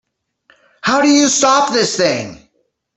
How do you stop this thing?